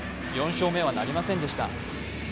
４勝目はなりませんでした。